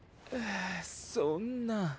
そんな。